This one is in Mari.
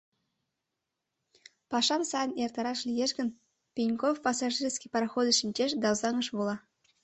Пашам сайын эртараш лиеш гын, Пеньков пассажирский пароходыш шинчеш да Озаҥыш вола.